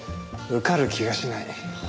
受かる気がしない。